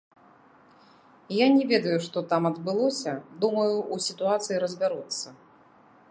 Я не ведаю, што там адбылося, думаю, у сітуацыі разбяруцца.